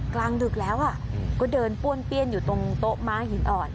กลางดึกแล้วก็เดินป้วนเปี้ยนอยู่ตรงโต๊ะม้าหินอ่อน